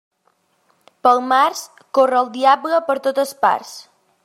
Pel març, corre el diable per totes parts.